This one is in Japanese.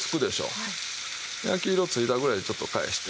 焼き色ついたぐらいでちょっと返して。